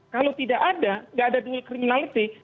kalau tidak ada tidak ada dual criminality